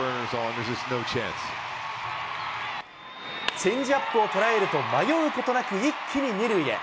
チェンジアップを捉えると、迷うことなく一気に２塁へ。